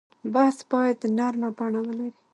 بحث باید نرمه بڼه ولري.